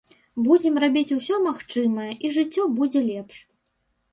Будзем рабіць усё магчымае і жыццё будзе лепш.